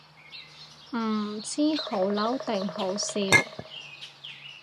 唔知好嬲定好笑